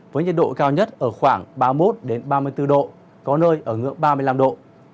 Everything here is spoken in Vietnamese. với nhiệt độ cao nhất ở khoảng ba mươi một ba mươi bốn độ có nơi ở ngưỡng ba mươi năm độ